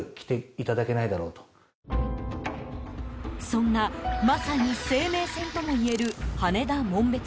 そんなまさに生命線ともいえる羽田紋別